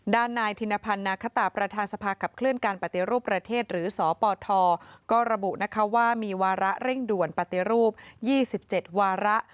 ด้านนายธินพันธ์นาคตาประธานสภาขับเคลื่อนการปฏิรูปประเทศหรือสปทก็ระบุนะคะว่ามีวาระเร่งด่วนปฏิรูป๒๗วาระ